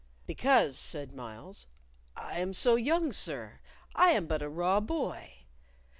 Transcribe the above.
"Because," said Myles, "I am so young, sir; I am but a raw boy.